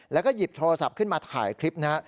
แล้วก็หยิบโทรศัพท์ขึ้นมาถ่ายคลิปนะฮะ